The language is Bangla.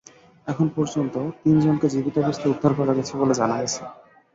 এখন পর্যন্ত তিনজনকে জীবিত অবস্থায় উদ্ধার করা গেছে বলে জানা গেছে।